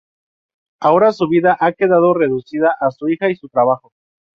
Ahora su vida ha quedado reducida a su hija y su trabajo.